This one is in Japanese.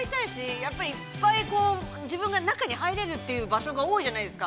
やっぱりいっぱい、自分が中に入れるという場所が多いじゃないですか。